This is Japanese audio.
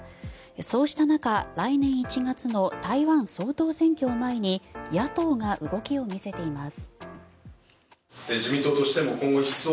そうした中来年１月の台湾総統選挙を前に野党が動きを見せています。